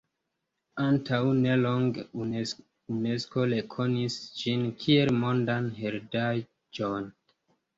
Antaŭ nelonge Unesko rekonis ĝin kiel Mondan Heredaĵon.